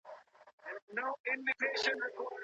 علماء د کورني نظام په تنظيم کې مسئوليتونه لري.